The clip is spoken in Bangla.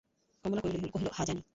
কমলা কহিল, হাঁ, জানি।